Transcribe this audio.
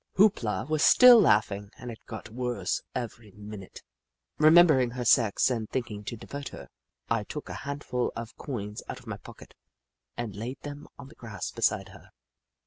Hoop La was still laughing and it got worse every minute. Remembering her sex and thinking to divert^ her, I took a handful of coins out of my pocket and laid them on the grass beside her.